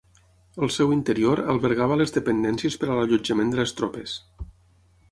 Al seu interior albergava les dependències per a l'allotjament de les tropes.